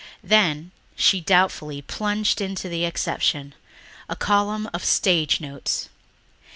Then she doubtfully plunged into the exception ... a column of "Stage Notes."